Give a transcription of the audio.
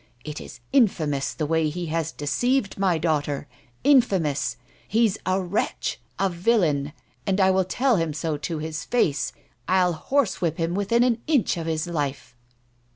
"It is infamous the way he has deceived my daughter, infamous ! He's a wretch, a villain, and I will tell him so to his face. I'll horsewhip him within an inch of his life."